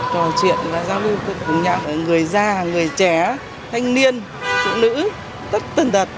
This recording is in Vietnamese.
trò chuyện và giao lưu cùng nhau với người già người trẻ thanh niên trụ nữ tất tần đật